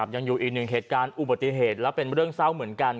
ยังอยู่อีกหนึ่งเหตุการณ์อุบัติเหตุและเป็นเรื่องเศร้าเหมือนกัน